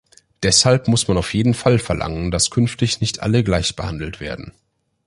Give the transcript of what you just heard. Deshalb muss man auf jeden Fall verlangen, dass künftig nicht alle gleich behandelt werden.